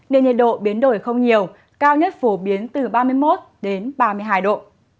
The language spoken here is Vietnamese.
nên nhiệt độ biến đổi không nhiều cao nhất phổ biến từ ba mươi một ba mươi hai độ